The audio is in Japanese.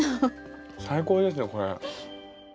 最高ですねこれ。